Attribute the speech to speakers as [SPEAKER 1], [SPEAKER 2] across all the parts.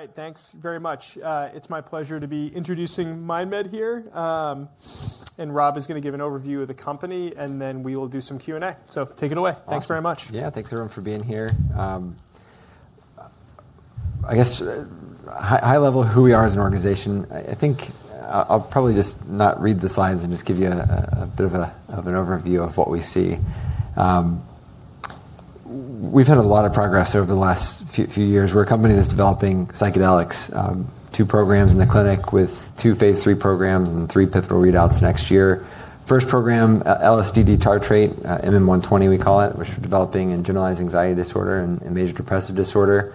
[SPEAKER 1] All right, thanks very much. It's my pleasure to be introducing MindMed here. Rob is going to give an overview of the company, and then we will do some Q&A. Take it away. Thanks very much.
[SPEAKER 2] Yeah, thanks everyone for being here. I guess, high level, who we are as an organization, I think I'll probably just not read the slides and just give you a bit of an overview of what we see. We've had a lot of progress over the last few years. We're a company that's developing psychedelics, two programs in the clinic with two phase 3 programs and three pivotal readouts next year. First program, LSD D-tartrate, MM-120 we call it, which we're developing in generalized anxiety disorder and major depressive disorder.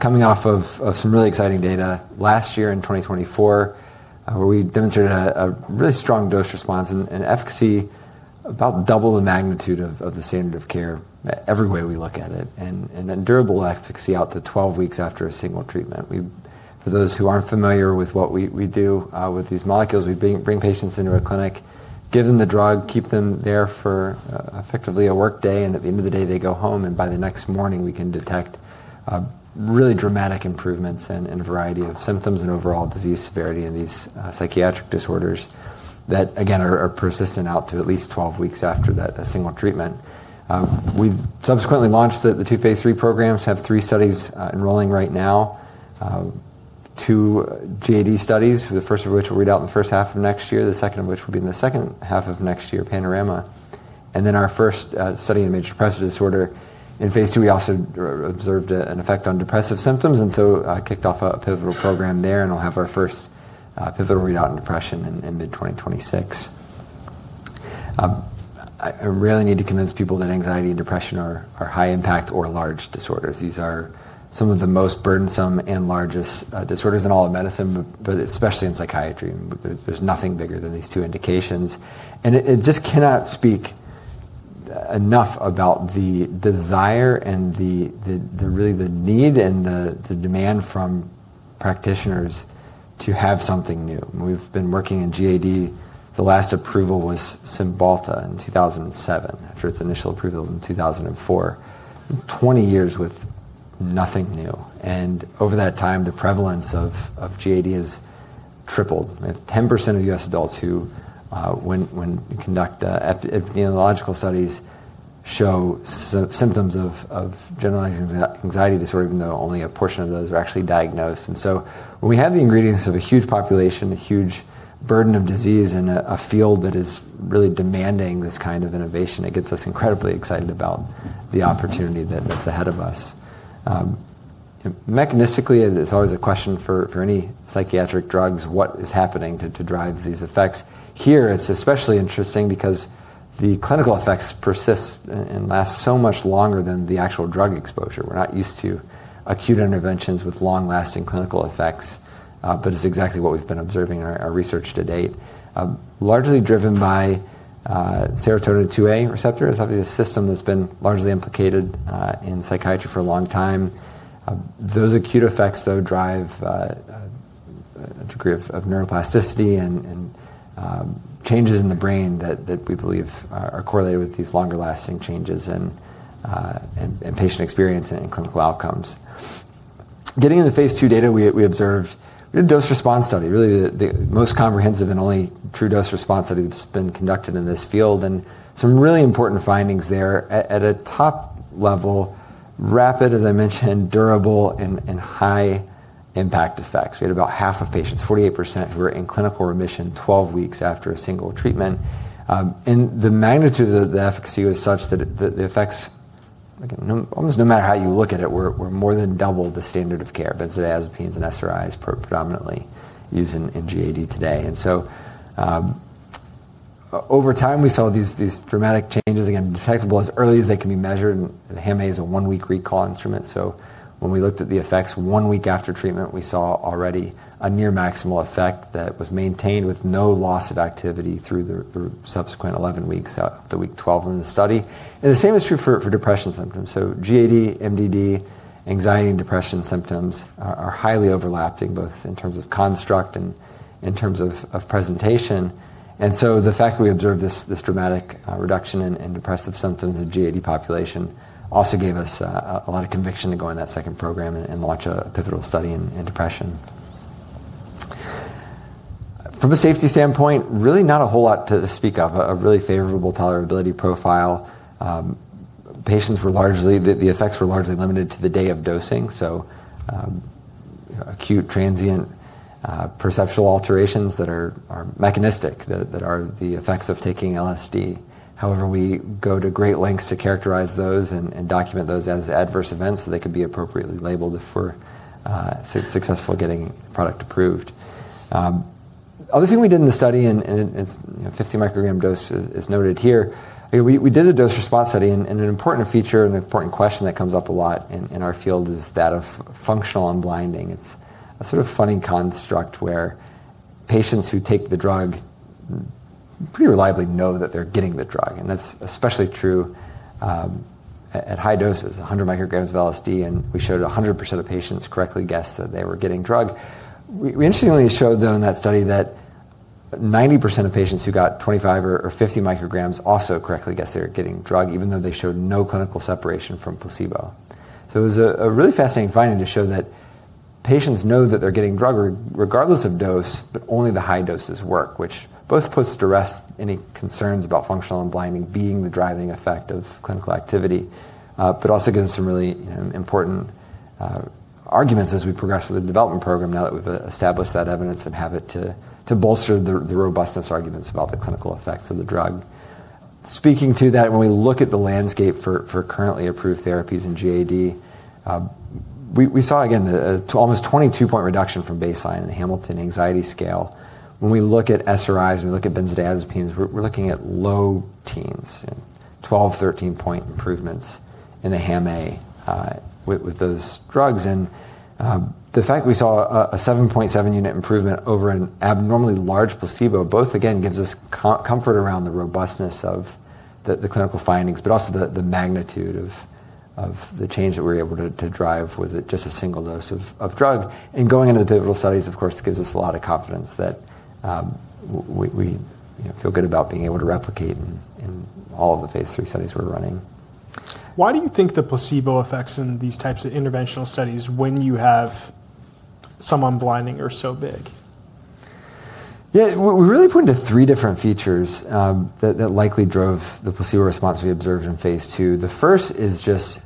[SPEAKER 2] Coming off of some really exciting data last year in 2024, where we demonstrated a really strong dose response and efficacy about double the magnitude of the standard of care every way we look at it. Then durable efficacy out to 12 weeks after a single treatment. For those who aren't familiar with what we do with these molecules, we bring patients into our clinic, give them the drug, keep them there for effectively a workday, and at the end of the day, they go home. By the next morning, we can detect really dramatic improvements in a variety of symptoms and overall disease severity in these psychiatric disorders that, again, are persistent out to at least 12 weeks after that single treatment. We subsequently launched the two phase 3 programs, have three studies enrolling right now, two GAD studies, the first of which will read out in the first half of next year, the second of which will be in the second half of next year, Panorama. Then our first study in major depressive disorder. In phase 2, we also observed an effect on depressive symptoms, and so kicked off a pivotal program there, and we'll have our first pivotal readout in depression in mid-2026. I really need to convince people that anxiety and depression are high impact or large disorders. These are some of the most burdensome and largest disorders in all of medicine, but especially in psychiatry. There's nothing bigger than these two indications. It just cannot speak enough about the desire and really the need and the demand from practitioners to have something new. We've been working in GAD. The last approval was Cymbalta in 2007, after its initial approval in 2004. Twenty years with nothing new. Over that time, the prevalence of GAD has tripled. We have 10% of U.S. adults who, when we conduct epidemiological studies, show symptoms of generalized anxiety disorder, even though only a portion of those are actually diagnosed. When we have the ingredients of a huge population, a huge burden of disease, and a field that is really demanding this kind of innovation, it gets us incredibly excited about the opportunity that's ahead of us. Mechanistically, it's always a question for any psychiatric drugs, what is happening to drive these effects. Here, it's especially interesting because the clinical effects persist and last so much longer than the actual drug exposure. We're not used to acute interventions with long-lasting clinical effects, but it's exactly what we've been observing in our research to date. Largely driven by serotonin 2A receptor, it's obviously a system that's been largely implicated in psychiatry for a long time. Those acute effects, though, drive a degree of neuroplasticity and changes in the brain that we believe are correlated with these longer-lasting changes in patient experience and clinical outcomes. Getting into phase 3 data, we observed a dose response study, really the most comprehensive and only true dose response study that's been conducted in this field. Some really important findings there at a top level, rapid, as I mentioned, durable, and high impact effects. We had about half of patients, 48%, who were in clinical remission 12 weeks after a single treatment. The magnitude of the efficacy was such that the effects, almost no matter how you look at it, were more than double the standard of care. Benzodiazepines and SRIs are predominantly used in GAD today. Over time, we saw these dramatic changes, again, detectable as early as they can be measured. The HAMA is a one-week recall instrument. When we looked at the effects one week after treatment, we saw already a near maximal effect that was maintained with no loss of activity through the subsequent 11 weeks out to week 12 in the study. The same is true for depression symptoms. GAD, MDD, anxiety and depression symptoms are highly overlapping, both in terms of construct and in terms of presentation. The fact that we observed this dramatic reduction in depressive symptoms in GAD population also gave us a lot of conviction to go on that second program and launch a pivotal study in depression. From a safety standpoint, really not a whole lot to speak of, a really favorable tolerability profile. Patients were largely, the effects were largely limited to the day of dosing. Acute transient perceptual alterations that are mechanistic, that are the effects of taking LSD. However, we go to great lengths to characterize those and document those as adverse events so they could be appropriately labeled if we're successful getting product approved. The other thing we did in the study, and it's a 50 microgram dose as noted here, we did a dose response study. An important feature and an important question that comes up a lot in our field is that of functional unblinding. It's a sort of funny construct where patients who take the drug pretty reliably know that they're getting the drug. That's especially true at high doses, 100 micrograms of LSD, and we showed 100% of patients correctly guessed that they were getting drug. We interestingly showed them in that study that 90% of patients who got 25 or 50 micrograms also correctly guessed they were getting drug, even though they showed no clinical separation from placebo. It was a really fascinating finding to show that patients know that they're getting drug regardless of dose, but only the high doses work, which both puts to rest any concerns about functional unblinding being the driving effect of clinical activity, but also gives us some really important arguments as we progress with the development program now that we've established that evidence and have it to bolster the robustness arguments about the clinical effects of the drug. Speaking to that, when we look at the landscape for currently approved therapies in GAD, we saw, again, almost 22-point reduction from baseline in the Hamilton Anxiety Scale. When we look at SRIs and we look at benzodiazepines, we're looking at low teens, 12-13-point improvements in the HAMA with those drugs. The fact that we saw a 7.7-unit improvement over an abnormally large placebo, both, again, gives us comfort around the robustness of the clinical findings, but also the magnitude of the change that we're able to drive with just a single dose of drug. Going into the pivotal studies, of course, gives us a lot of confidence that we feel good about being able to replicate in all of the phase 3 studies we're running. Why do you think the placebo effects in these types of interventional studies when you have some unblinding are so big? Yeah, we really point to three different features that likely drove the placebo response we observed in phase 2. The first is just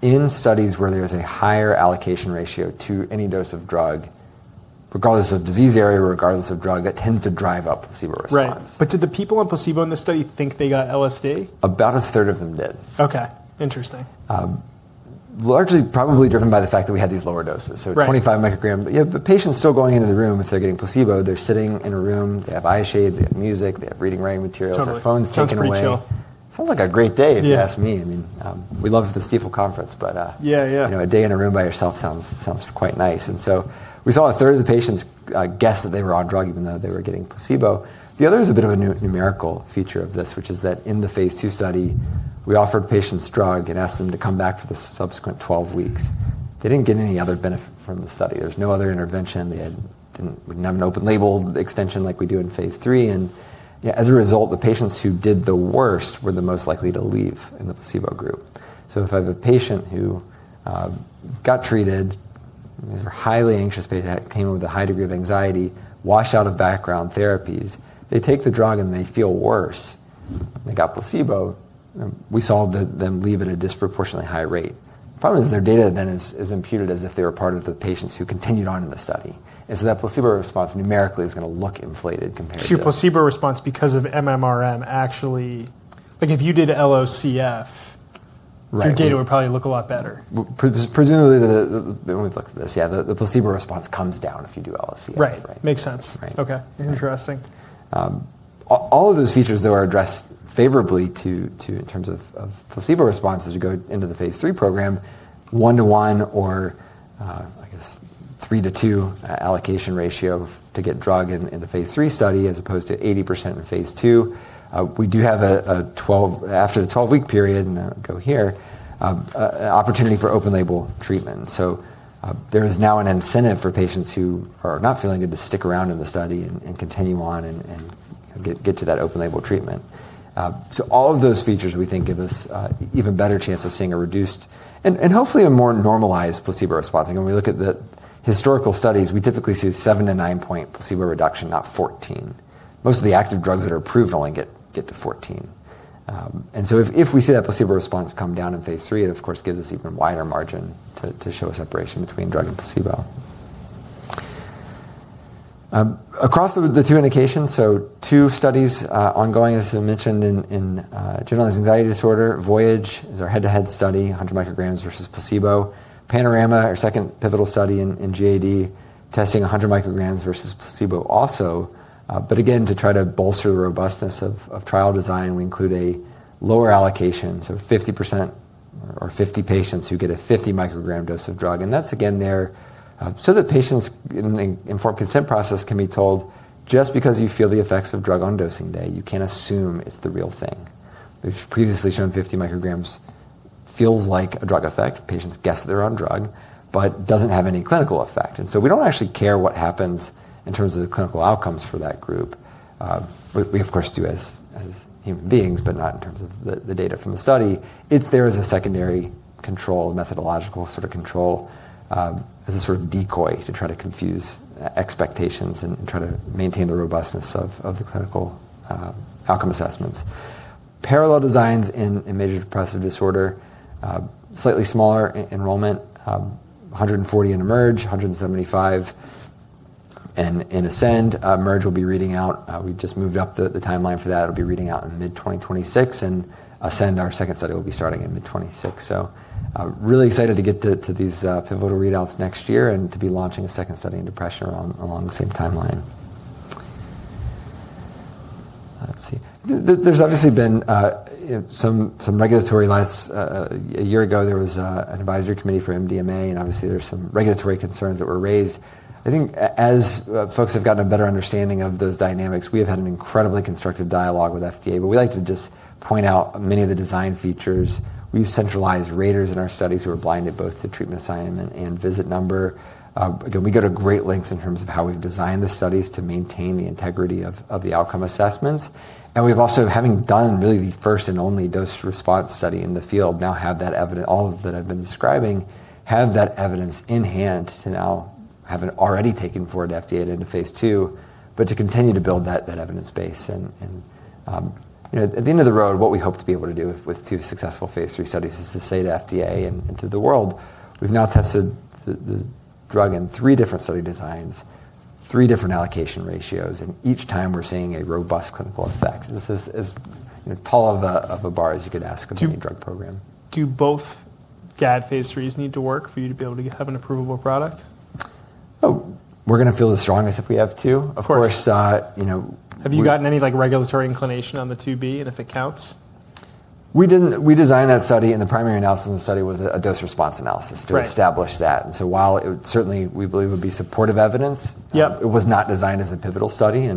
[SPEAKER 2] in studies where there's a higher allocation ratio to any dose of drug, regardless of disease area, regardless of drug, that tends to drive up placebo response. Right. Did the people on placebo in this study think they got LSD? About a third of them did. Okay. Interesting. Largely probably driven by the fact that we had these lower doses. So 25 micrograms, yeah, the patient's still going into the room if they're getting placebo. They're sitting in a room, they have eye shades, they have music, they have reading writing materials, their phone's taken away. Sounds like a great day. Sounds like a great day if you ask me. I mean, we love the Steeple Conference, but a day in a room by yourself sounds quite nice. We saw a third of the patients guess that they were on drug even though they were getting placebo. The other is a bit of a numerical feature of this, which is that in the phase 2 study, we offered patients drug and asked them to come back for the subsequent 12 weeks. They did not get any other benefit from the study. There was no other intervention. They did not have an open label extension like we do in phase 3. As a result, the patients who did the worst were the most likely to leave in the placebo group. If I have a patient who got treated, they were highly anxious, came up with a high degree of anxiety, washed out of background therapies, they take the drug and they feel worse, they got placebo, we saw them leave at a disproportionately high rate. The problem is their data then is imputed as if they were part of the patients who continued on in the study. That placebo response numerically is going to look inflated compared to. Your placebo response because of MMRM actually, like if you did LOCF, your data would probably look a lot better. Presumably, when we looked at this, yeah, the placebo response comes down if you do LOCF. Right. Makes sense. Okay. Interesting. All of those features, though, are addressed favorably in terms of placebo responses to go into the phase 3 program, one-to-one or, I guess, three-to-two allocation ratio to get drug in the phase 3 study as opposed to 80% in phase 2. We do have a 12, after the 12-week period, and I'll go here, opportunity for open label treatment. There is now an incentive for patients who are not feeling good to stick around in the study and continue on and get to that open label treatment. All of those features we think give us an even better chance of seeing a reduced and hopefully a more normalized placebo response. When we look at the historical studies, we typically see a 7-9-point placebo reduction, not 14. Most of the active drugs that are approved only get to 14. If we see that placebo response come down in phase 3 it of course gives us an even wider margin to show a separation between drug and placebo. Across the two indications, two studies are ongoing, as I mentioned, in generalized anxiety disorder. Voyage is our head-to-head study, 100 micrograms versus placebo. Panorama, our second pivotal study in GAD, is testing 100 micrograms versus placebo also. Again, to try to bolster the robustness of trial design, we include a lower allocation, so 50% or 50 patients who get a 50 microgram dose of drug. That is again there so that patients in the informed consent process can be told, just because you feel the effects of drug on dosing day, you cannot assume it is the real thing. We have previously shown 50 micrograms feels like a drug effect. Patients guess they are on drug, but it does not have any clinical effect. We do not actually care what happens in terms of the clinical outcomes for that group. We, of course, do as human beings, but not in terms of the data from the study. It is there as a secondary control, methodological sort of control, as a sort of decoy to try to confuse expectations and try to maintain the robustness of the clinical outcome assessments. Parallel designs in major depressive disorder, slightly smaller enrollment, 140 in Emerge, 175 in Ascend. Emerge will be reading out, we just moved up the timeline for that, it will be reading out in mid-2026, and Ascend, our second study, will be starting in mid-2026. Really excited to get to these pivotal readouts next year and to be launching a second study in depression along the same timeline. Let's see. There has obviously been some regulatory less. A year ago, there was an advisory committee for MDMA, and obviously there's some regulatory concerns that were raised. I think as folks have gotten a better understanding of those dynamics, we have had an incredibly constructive dialogue with FDA, but we like to just point out many of the design features. We use centralized raters in our studies who are blind to both the treatment assignment and visit number. Again, we go to great lengths in terms of how we've designed the studies to maintain the integrity of the outcome assessments. We've also, having done really the first and only dose response study in the field, now have that evidence, all that I've been describing, have that evidence in hand to now have it already taken forward to FDA to into phase 2, but to continue to build that evidence base. At the end of the road, what we hope to be able to do with two successful phase 3 studies is to say to FDA and to the world, we've now tested the drug in three different study designs, three different allocation ratios, and each time we're seeing a robust clinical effect. This is as tall of a bar as you could ask of any drug program. Do both GAD phase 3s need to work for you to be able to have an approvable product? Oh, we're going to feel the strongest if we have two. Of course. Have you gotten any regulatory inclination on the 2B and if it counts? We designed that study and the primary analysis of the study was a dose response analysis to establish that. While it certainly we believe would be supportive evidence, it was not designed as a pivotal study.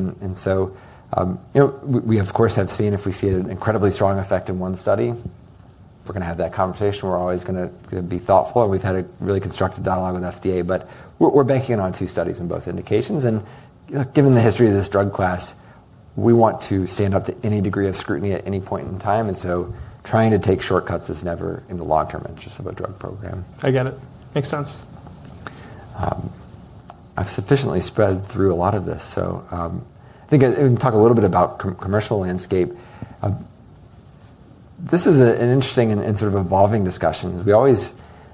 [SPEAKER 2] We, of course, have seen if we see an incredibly strong effect in one study, we're going to have that conversation. We're always going to be thoughtful. We have had a really constructive dialogue with FDA, but we're banking on two studies in both indications. Given the history of this drug class, we want to stand up to any degree of scrutiny at any point in time. Trying to take shortcuts is never in the long-term interest of a drug program. I get it. Makes sense. I've sufficiently spread through a lot of this. I think we can talk a little bit about the commercial landscape. This is an interesting and sort of evolving discussion.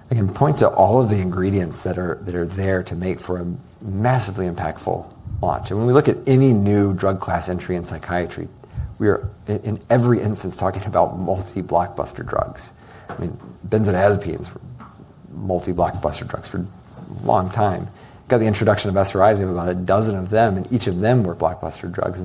[SPEAKER 2] We always, again, point to all of the ingredients that are there to make for a massively impactful launch. When we look at any new drug class entry in psychiatry, we are in every instance talking about multi-blockbuster drugs. I mean, benzodiazepines were multi-blockbuster drugs for a long time. Got the introduction of SRIs, we have about a dozen of them, and each of them were blockbuster drugs.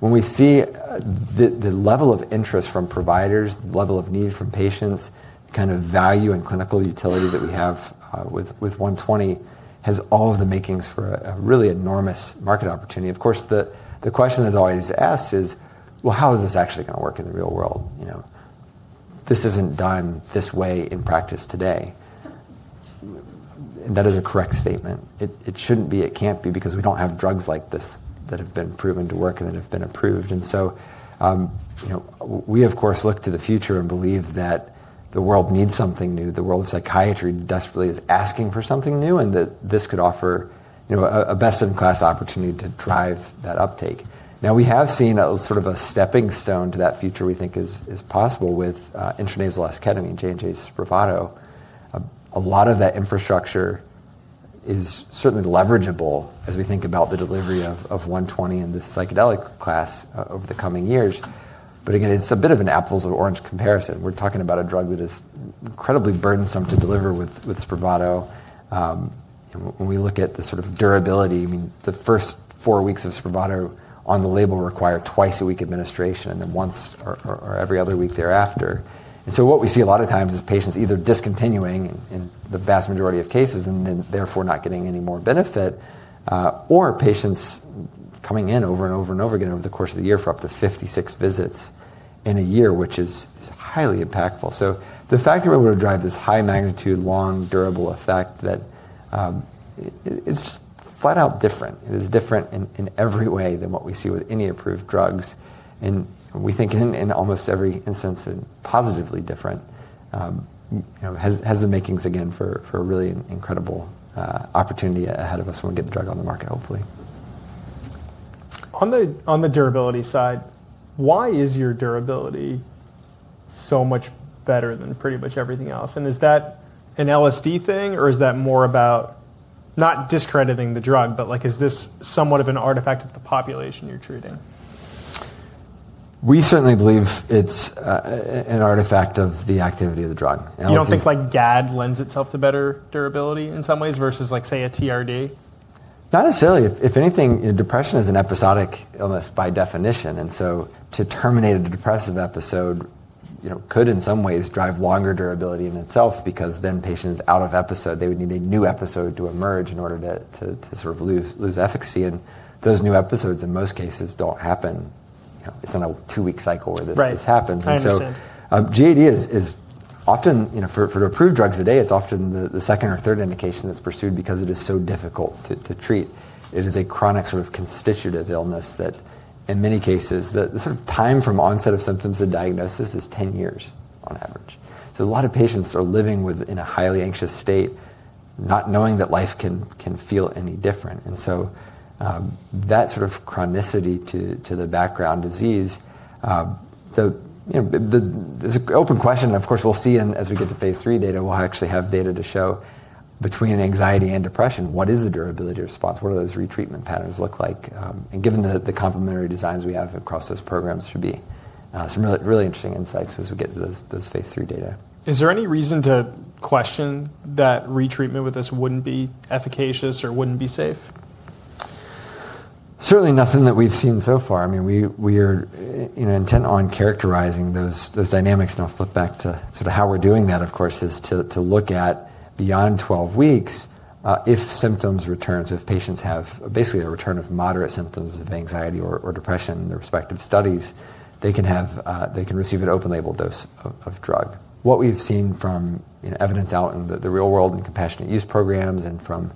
[SPEAKER 2] When we see the level of interest from providers, the level of need from patients, the kind of value and clinical utility that we have with 120 has all of the makings for a really enormous market opportunity. Of course, the question that's always asked is, well, how is this actually going to work in the real world? This isn't done this way in practice today. That is a correct statement. It shouldn't be, it can't be because we don't have drugs like this that have been proven to work and that have been approved. We, of course, look to the future and believe that the world needs something new. The world of psychiatry desperately is asking for something new and that this could offer a best-in-class opportunity to drive that uptake. We have seen sort of a stepping stone to that future we think is possible with intranasal esketamine, Johnson & Johnson's SPRAVATO. A lot of that infrastructure is certainly leverageable as we think about the delivery of 120 and this psychedelic class over the coming years. Again, it's a bit of an apples-to-orange comparison. We're talking about a drug that is incredibly burdensome to deliver with SPRAVATO. When we look at the sort of durability, I mean, the first four weeks of SPRAVATO on the label require twice-a-week administration and then once or every other week thereafter. What we see a lot of times is patients either discontinuing in the vast majority of cases and therefore not getting any more benefit, or patients coming in over and over and over again over the course of the year for up to 56 visits in a year, which is highly impactful. The fact that we're able to drive this high magnitude, long, durable effect that is just flat out different. It is different in every way than what we see with any approved drugs. We think in almost every instance and positively different has the makings again for a really incredible opportunity ahead of us when we get the drug on the market, hopefully. On the durability side, why is your durability so much better than pretty much everything else? Is that an LSD thing or is that more about not discrediting the drug, but is this somewhat of an artifact of the population you're treating? We certainly believe it's an artifact of the activity of the drug. You don't think like GAD lends itself to better durability in some ways versus like, say, a TRD? Not necessarily. If anything, depression is an episodic illness by definition. To terminate a depressive episode could in some ways drive longer durability in itself because then patients out of episode, they would need a new episode to emerge in order to sort of lose efficacy. Those new episodes in most cases do not happen. It is on a two-week cycle where this happens. GAD is often, for approved drugs today, often the second or third indication that is pursued because it is so difficult to treat. It is a chronic sort of constitutive illness that in many cases, the sort of time from onset of symptoms to diagnosis is 10 years on average. A lot of patients are living in a highly anxious state, not knowing that life can feel any different. That sort of chronicity to the background disease, there's an open question. Of course, we'll see as we get to phase 3 data, we'll actually have data to show between anxiety and depression, what is the durability response? What do those retreatment patterns look like? Given the complementary designs we have across those programs, there should be some really interesting insights as we get to those phase 3 data. Is there any reason to question that retreatment with this wouldn't be efficacious or wouldn't be safe? Certainly nothing that we've seen so far. I mean, we are intent on characterizing those dynamics. I'll flip back to sort of how we're doing that, of course, is to look at beyond 12 weeks, if symptoms return, so if patients have basically a return of moderate symptoms of anxiety or depression in their respective studies, they can receive an open label dose of drug. What we've seen from evidence out in the real world and compassionate use programs and from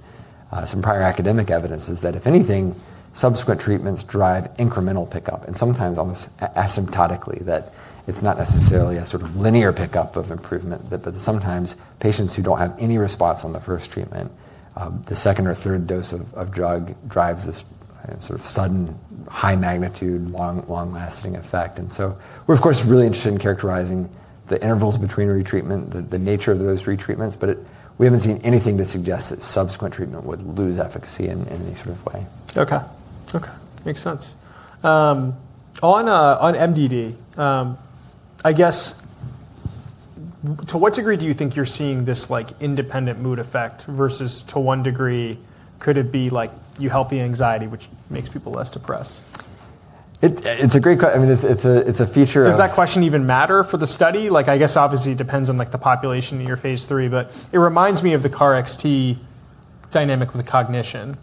[SPEAKER 2] some prior academic evidence is that if anything, subsequent treatments drive incremental pickup and sometimes almost asymptotically that it's not necessarily a sort of linear pickup of improvement, but sometimes patients who don't have any response on the first treatment, the second or third dose of drug drives this sort of sudden high magnitude, long-lasting effect. We're, of course, really interested in characterizing the intervals between retreatment, the nature of those retreatments, but we haven't seen anything to suggest that subsequent treatment would lose efficacy in any sort of way. Okay. Okay. Makes sense. On MDD, I guess to what degree do you think you're seeing this independent mood effect versus to one degree, could it be like you help the anxiety, which makes people less depressed? It's a great question. I mean, it's a feature of. Does that question even matter for the study? Like I guess obviously it depends on the population in your phase 3, but it reminds me of the Kar-XT dynamic with cognition.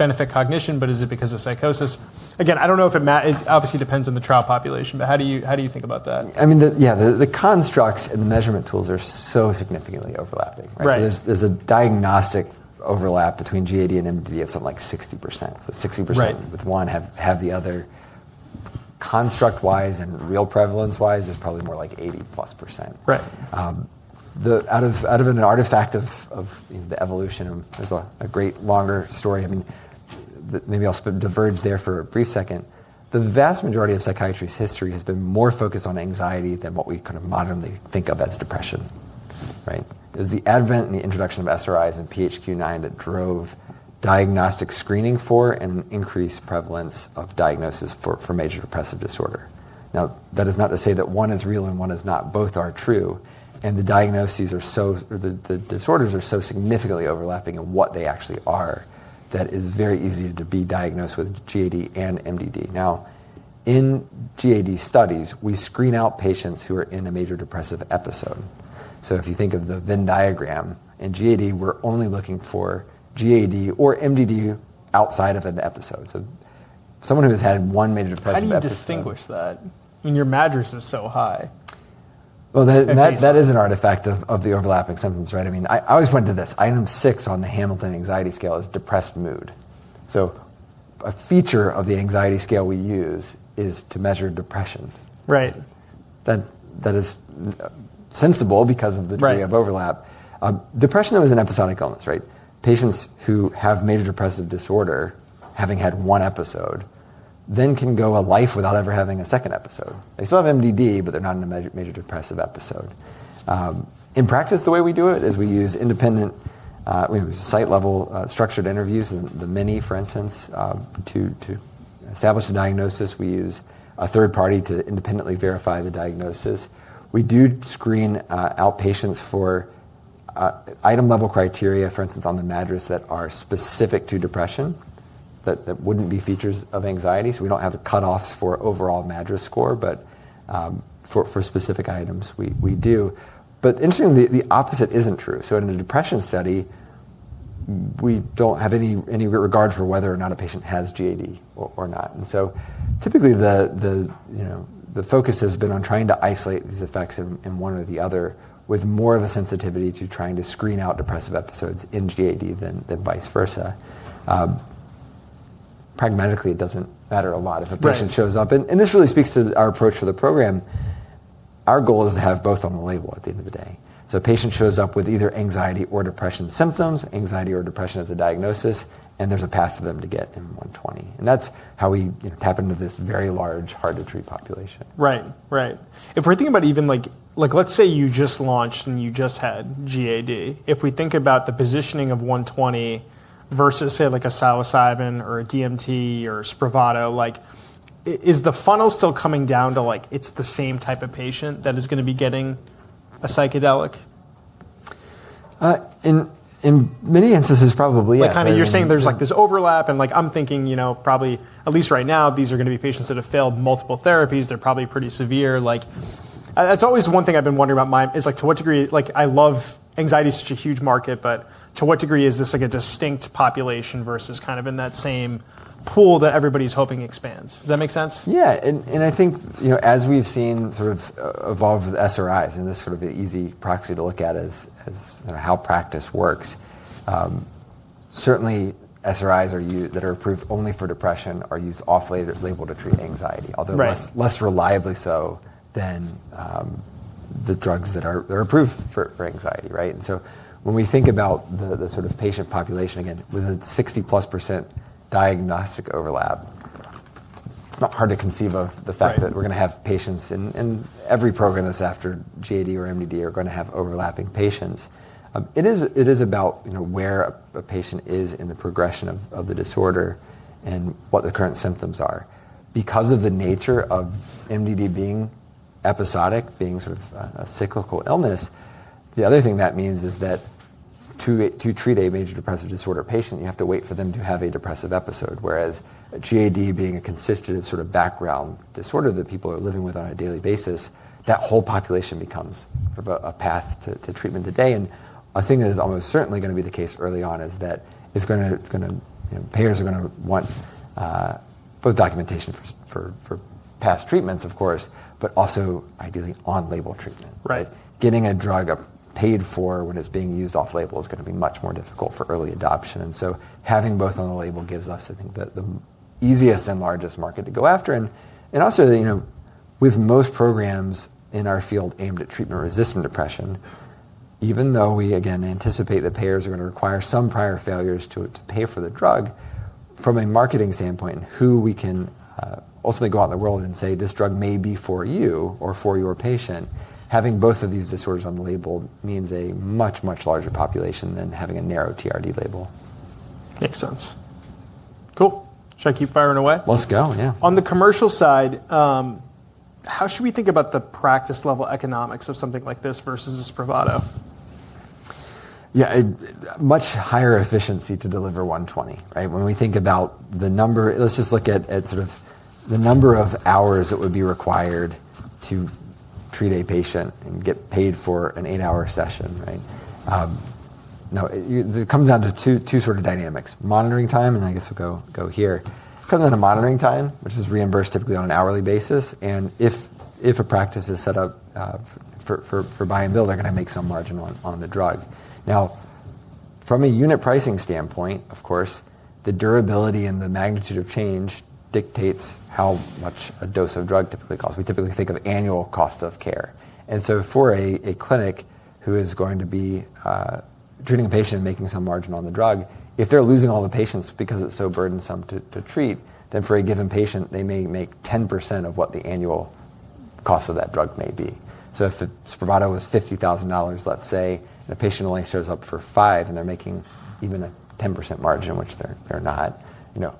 [SPEAKER 2] Benefit cognition, but is it because of psychosis? Again, I don't know if it obviously depends on the trial population, but how do you think about that? I mean, yeah, the constructs and the measurement tools are so significantly overlapping. There's a diagnostic overlap between GAD and MDD of something like 60%. So 60% with one have the other. Construct-wise and real prevalence-wise, there's probably more like 80+%. Out of an artifact of the evolution, there's a great longer story. I mean, maybe I'll diverge there for a brief second. The vast majority of psychiatry's history has been more focused on anxiety than what we kind of modernly think of as depression. It was the advent and the introduction of SRIs and PHQ-9 that drove diagnostic screening for and increased prevalence of diagnosis for major depressive disorder. Now, that is not to say that one is real and one is not. Both are true. The diagnoses are so, or the disorders are so significantly overlapping in what they actually are that it is very easy to be diagnosed with GAD and MDD. In GAD studies, we screen out patients who are in a major depressive episode. If you think of the Venn diagram in GAD, we're only looking for GAD or MDD outside of an episode. Someone who has had one major depressive episode. How do you distinguish that? I mean, your madness is so high. That is an artifact of the overlapping symptoms, right? I mean, I always point to this. Item six on the Hamilton Anxiety Rating Scale is depressed mood. So a feature of the anxiety scale we use is to measure depression. Right. That is sensible because of the degree of overlap. Depression is an episodic illness, right? Patients who have major depressive disorder, having had one episode, then can go a life without ever having a second episode. They still have MDD, but they're not in a major depressive episode. In practice, the way we do it is we use independent, we use site-level structured interviews, the Mini, for instance, to establish a diagnosis. We use a third party to independently verify the diagnosis. We do screen outpatients for item-level criteria, for instance, on the HAMA that are specific to depression that wouldn't be features of anxiety. We don't have cutoffs for overall HAMA score, but for specific items we do. Interestingly, the opposite isn't true. In a depression study, we don't have any regard for whether or not a patient has GAD or not. Typically the focus has been on trying to isolate these effects in one or the other with more of a sensitivity to trying to screen out depressive episodes in GAD than vice versa. Pragmatically, it does not matter a lot if a patient shows up. This really speaks to our approach for the program. Our goal is to have both on the label at the end of the day. A patient shows up with either anxiety or depression symptoms, anxiety or depression as a diagnosis, and there is a path for them to get MM-120. That is how we tap into this very large, hard-to-treat population. Right. Right. If we're thinking about even like, let's say you just launched and you just had GAD, if we think about the positioning of 120 versus say like a psilocybin or a DMT or SPHQ-9, is the funnel still coming down to like it's the same type of patient that is going to be getting a psychedelic? In many instances, probably. Kind of you're saying there's like this overlap and like I'm thinking probably at least right now, these are going to be patients that have failed multiple therapies. They're probably pretty severe. It's always one thing I've been wondering about is like to what degree, like I love anxiety is such a huge market, but to what degree is this like a distinct population versus kind of in that same pool that everybody's hoping expands? Does that make sense? Yeah. I think as we've seen sort of evolve with SRIs, and this could be an easy proxy to look at as how practice works. Certainly, SRIs that are approved only for depression are used off-label to treat anxiety, although less reliably so than the drugs that are approved for anxiety, right? When we think about the sort of patient population again, with a 60+% diagnostic overlap, it's not hard to conceive of the fact that we're going to have patients in every program that's after GAD or MDD are going to have overlapping patients. It is about where a patient is in the progression of the disorder and what the current symptoms are. Because of the nature of MDD being episodic, being sort of a cyclical illness, the other thing that means is that to treat a major depressive disorder patient, you have to wait for them to have a depressive episode, whereas GAD being a constitutive sort of background disorder that people are living with on a daily basis, that whole population becomes a path to treatment today. A thing that is almost certainly going to be the case early on is that payers are going to want both documentation for past treatments, of course, but also ideally on-label treatment. Getting a drug paid for when it's being used off-label is going to be much more difficult for early adoption. Having both on the label gives us, I think, the easiest and largest market to go after. Also, with most programs in our field aimed at treatment-resistant depression, even though we again anticipate that payers are going to require some prior failures to pay for the drug, from a marketing standpoint and who we can ultimately go out in the world and say, "This drug may be for you or for your patient," having both of these disorders on the label means a much, much larger population than having a narrow TRD label. Makes sense. Cool. Should I keep firing away? Let's go, yeah. On the commercial side, how should we think about the practice-level economics of something like this versus a SPRAVATO? Yeah, much higher efficiency to deliver 120, right? When we think about the number, let's just look at sort of the number of hours that would be required to treat a patient and get paid for an eight-hour session, right? It comes down to two sort of dynamics: monitoring time, and I guess we'll go here. It comes down to monitoring time, which is reimbursed typically on an hourly basis. If a practice is set up for buy and bill, they're going to make some margin on the drug. Now, from a unit pricing standpoint, of course, the durability and the magnitude of change dictates how much a dose of drug typically costs. We typically think of annual cost of care. For a clinic who is going to be treating a patient and making some margin on the drug, if they're losing all the patients because it's so burdensome to treat, then for a given patient, they may make 10% of what the annual cost of that drug may be. If the SPRAVATO was $50,000, let's say, and the patient only shows up for five, and they're making even a 10% margin, which they're not,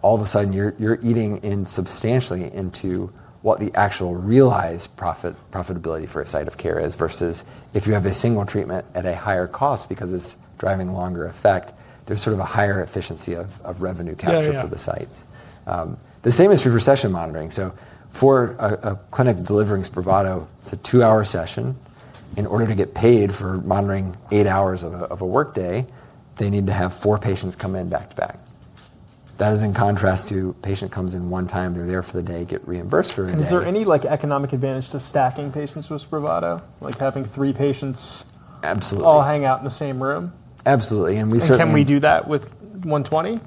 [SPEAKER 2] all of a sudden you're eating substantially into what the actual realized profitability for a site of care is versus if you have a single treatment at a higher cost because it's driving longer effect, there's sort of a higher efficiency of revenue capture for the site. The same is for recession monitoring. For a clinic delivering SPRAVATO, it's a two-hour session. In order to get paid for monitoring eight hours of a workday, they need to have four patients come in back to back. That is in contrast to a patient who comes in one time, they're there for the day, get reimbursed for a day. Is there any economic advantage to stacking patients with SPRAVATO, like having three patients all hang out in the same room? Absolutely. We certainly. Can we do that with 120?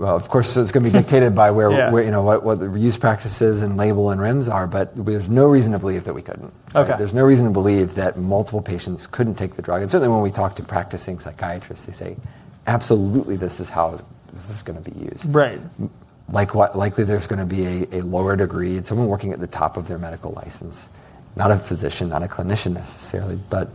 [SPEAKER 2] Of course, it's going to be dictated by what the use practices and label and REMS are, but there's no reason to believe that we couldn't. There's no reason to believe that multiple patients couldn't take the drug. Certainly when we talk to practicing psychiatrists, they say, "Absolutely, this is how this is going to be used." Likely there's going to be a lower degree, someone working at the top of their medical license, not a physician, not a clinician necessarily, but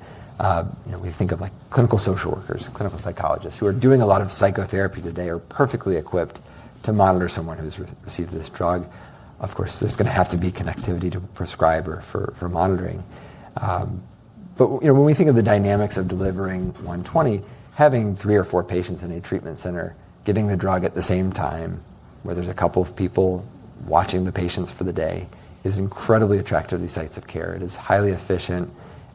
[SPEAKER 2] we think of clinical social workers, clinical psychologists who are doing a lot of psychotherapy today are perfectly equipped to monitor someone who's received this drug. Of course, there's going to have to be connectivity to prescribe or for monitoring. When we think of the dynamics of delivering 120, having three or four patients in a treatment center, getting the drug at the same time where there are a couple of people watching the patients for the day is incredibly attractive to these sites of care. It is highly efficient,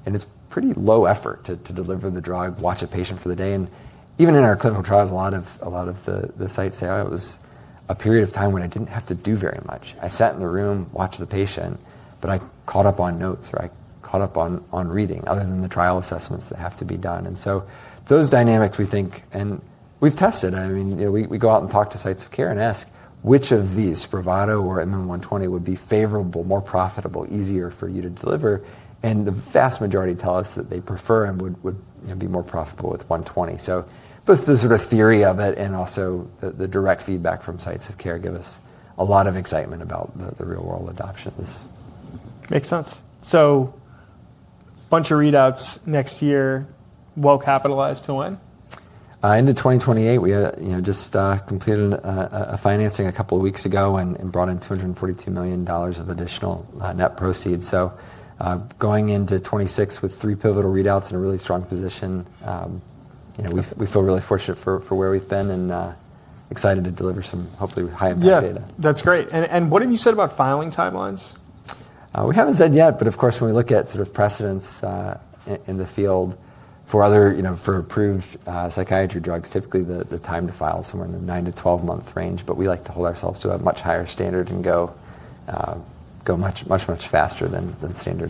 [SPEAKER 2] and it is pretty low effort to deliver the drug, watch a patient for the day. Even in our clinical trials, a lot of the sites say, "It was a period of time when I did not have to do very much. I sat in the room, watched the patient, but I caught up on notes or I caught up on reading other than the trial assessments that have to be done." Those dynamics we think, and we have tested. I mean, we go out and talk to sites of care and ask, "Which of these, SPRAVATO or MM-120, would be favorable, more profitable, easier for you to deliver?" The vast majority tell us that they prefer and would be more profitable with 120. Both the sort of theory of it and also the direct feedback from sites of care give us a lot of excitement about the real-world adoption of this. Makes sense. So a bunch of readouts next year, well capitalized to when? End of 2028. We just completed financing a couple of weeks ago and brought in $242 million of additional net proceeds. Going into 2026 with three pivotal readouts in a really strong position, we feel really fortunate for where we've been and excited to deliver some hopefully high impact data. Yeah, that's great. What have you said about filing timelines? We haven't said yet, but of course, when we look at sort of precedents in the field for approved psychiatry drugs, typically the time to file is somewhere in the 9-12 month range, but we like to hold ourselves to a much higher standard and go much, much, much faster than standard.